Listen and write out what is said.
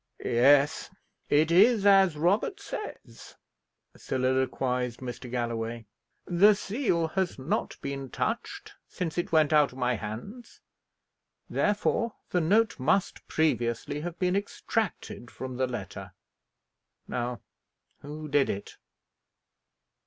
"Yes; it is as Robert says," soliloquized Mr. Galloway. "The seal has not been touched since it went out of my hands; therefore the note must previously have been extracted from the letter. Now, who did it?"